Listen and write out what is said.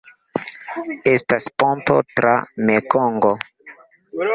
Estas ponto tra Mekongo.